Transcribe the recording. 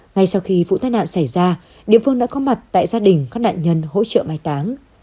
ngay sau khi vụ tai nạn xảy ra địa phương đã có mặt tại gia đình các nạn nhân hỗ trợ mai táng